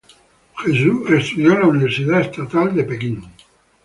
Hsu estudio en la Universidad Estatal de California.